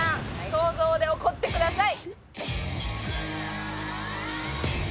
想像で怒ってください！